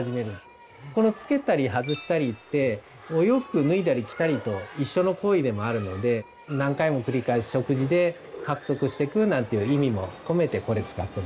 このつけたり外したりってお洋服を脱いだり着たりと一緒の行為でもあるので何回も繰り返す食事で獲得していくなんていう意味も込めてこれ使ってます。